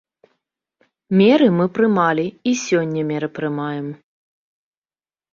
Меры мы прымалі, і сёння меры прымаем.